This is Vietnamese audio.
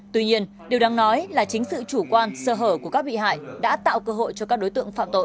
tuy nhiên điều đáng nói là chính sự chủ quan sơ hở của các bị hại đã tạo cơ hội cho các đối tượng phạm tội